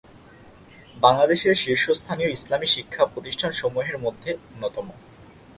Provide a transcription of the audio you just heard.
বাংলাদেশের শীর্ষস্থানীয় ইসলামী শিক্ষা-প্রতিষ্ঠানসমূহের মধ্যে অন্যতম।